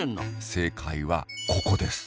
正解はここです。